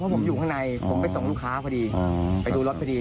ผมอยู่ข้างในผมไปส่งลูกค้าพอดีไปดูรถพอดี